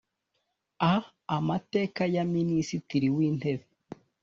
a amateka ya minisitiri w intebe